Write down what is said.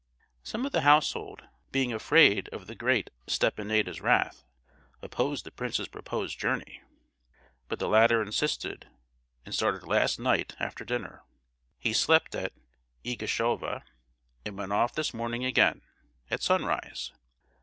Some of the household, being afraid of the great Stepanida's wrath, opposed the prince's proposed journey; but the latter insisted, and started last night after dinner. He slept at Igishova, and went off this morning again, at sunrise.